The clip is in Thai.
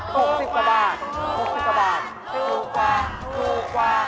ถูกกว่า